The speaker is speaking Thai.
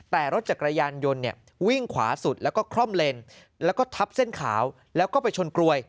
แต่รถจักรยานยนต์เนี่ยวิ่งขวาสุดแล้วก็คล่อมเลนแล้วก็ทับเส้นขาวแล้วก็ไปชนกลวย